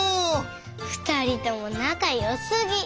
ふたりともなかよすぎ！